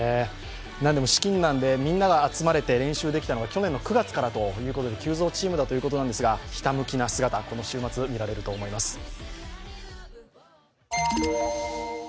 資金難でもみんなが集まれて練習できたのが去年の９月からということで急造チームということですがひたむきな姿、この週末見られると思います。